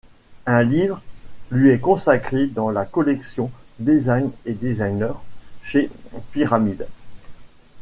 Un livre lui est consacré dans la collection “Design&Designer” chez Pyramyd.